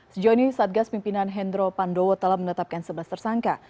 sejauh ini satgas pimpinan hendro pandowo telah menetapkan sebelas tersangka